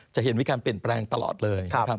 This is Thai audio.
จะเห็นวิการเปลี่ยนแปลงตลอดเลย